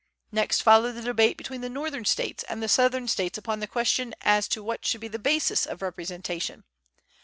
Next followed the debate between the Northern States and the Southern States upon the question as to what should be the basis of representation.